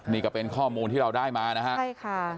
นี่ก็เป็นข้อมูลที่เราได้มานะฮะใช่ค่ะ